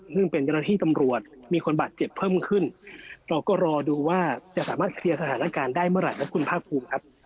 ซึ่งเป็นเจ้าหน้าที่ตำรวจมีคนบาดเจ็บเพิ่มขึ้นเราก็รอดูว่าจะสามารถเคลียร์สถานการณ์ได้เมื่อไหร่ครับคุณภาคภูมิครับ